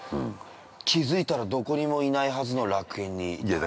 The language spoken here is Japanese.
気づいたら、どこにもいないはずの楽園にいた。